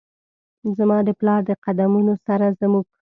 زما د پلار د قد مونو سره زموږ،